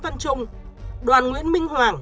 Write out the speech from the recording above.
văn trung đoàn nguyễn minh hoàng